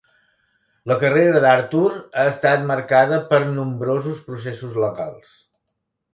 La carrera d'Arthur ha estat marcada per nombrosos processos legals.